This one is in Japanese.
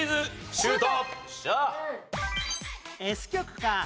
シュート！